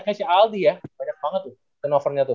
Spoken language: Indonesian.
kayaknya si aldi ya banyak banget tuh turnovernya tuh